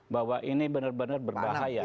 bahwa ini benar benar berbahaya